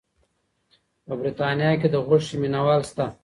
په بریتانیا کې هم د غوښې مینه وال شته.